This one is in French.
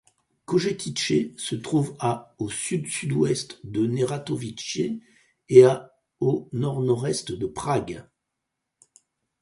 Kojetice se trouve à au sud-sud-ouest de Neratovice et à au nord-nord-est de Prague.